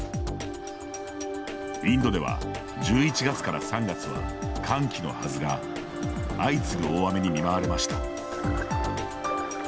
インドでは、１１月から３月は乾季のはずが相次ぐ大雨に見舞われました。